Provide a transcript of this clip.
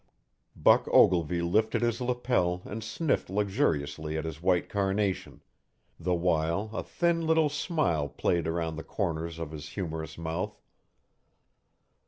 Buck Ogilvy lifted his lapel and sniffed luxuriously at his white carnation, the while a thin little smile played around the corners of his humorous mouth.